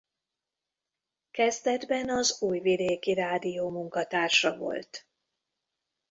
Kezdetben az Újvidéki Rádió munkatársa volt.